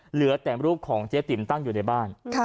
เหลือแต่รูปของเจ๊ติ๋มตั้งอยู่ในบ้าน